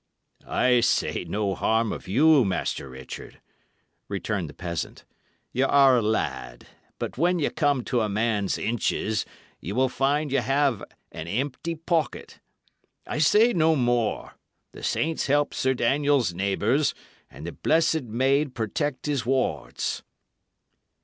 "I say no harm of you, Master Richard," returned the peasant. "Y' are a lad; but when ye come to a man's inches, ye will find ye have an empty pocket. I say no more: the saints help Sir Daniel's neighbours, and the Blessed Maid protect his wards!"